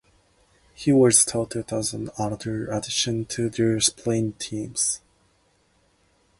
He was touted as another addition to their sprint team.